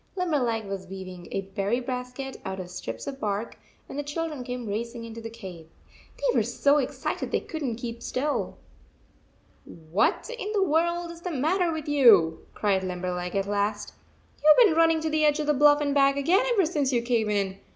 Limberleg was weaving 144 a berry basket out of strips of bark, when the children came racing into the cave. They were so excited they could n t keep still. " What in the world is the matter with you?" cried Limberleg, at last. "You ve been running to the edge of the bluff and back again ever since you came in.